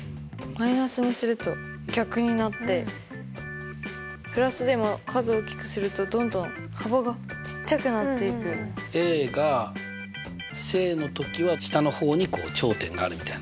マイナスにすると逆になってプラスでも数大きくするとどんどん幅がちっちゃくなっていく。が正の時は下の方にこう頂点があるみたいな感じだよね。